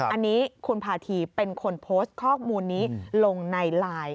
อันนี้คุณพาธีเป็นคนโพสต์ข้อมูลนี้ลงในไลน์